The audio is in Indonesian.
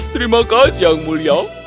terima kasih yang mulya